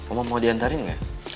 oma mau diantarin nggak